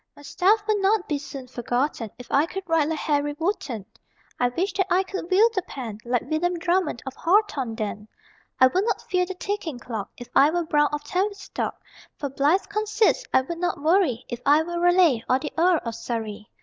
My stuff would not be soon forgotten If I could write like Harry Wotton. I wish that I could wield the pen Like William Drummond of Hawthornden. I would not fear the ticking clock If I were Browne of Tavistock. For blithe conceits I would not worry If I were Raleigh, or the Earl of Surrey.